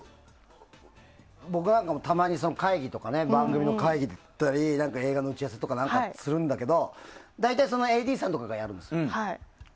僕らの会議とか番組の会議だったり映画の打ち合わせとかするんだけど大体、ＡＤさんとかがやるんです。